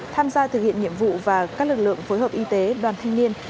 tham gia thực hiện nhiệm vụ và các lực lượng phối hợp y tế đoàn thanh niên